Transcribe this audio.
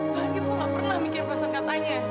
banget tuh gak pernah mikir perasaan katanya